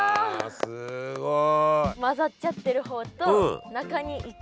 すごい。